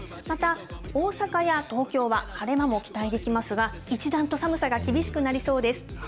また、大阪や東京は晴れ間も期待できますが、一段と寒さが厳しくなりそうです。